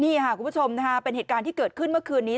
นี่ค่ะคุณผู้ชมนะคะเป็นเหตุการณ์ที่เกิดขึ้นเมื่อคืนนี้